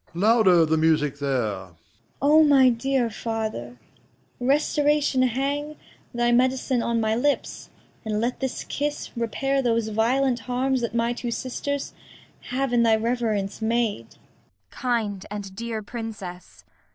Louder the music there! Cor. O my dear father, restoration hang Thy medicine on my lips, and let this kiss Repair those violent harms that my two sisters Have in thy reverence made! Kent. Kind and dear princess!